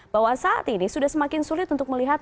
bahwa saat ini sudah semakin sulit untuk melihat